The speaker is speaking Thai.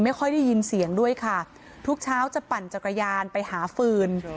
ไม่ค่อยได้ยินเสียงด้วยค่ะทุกเช้าจะปั่นจักรยานไปหาฟืน